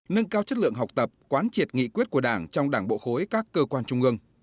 nâng cao chất lượng học tập quán triệt nghị quyết của đảng trong đảng bộ khối các cơ quan trung ương